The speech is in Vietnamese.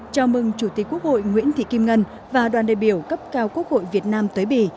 chào mừng chủ tịch quốc hội nguyễn thị kim ngân và đoàn đại biểu cấp cao quốc hội việt nam tới bỉ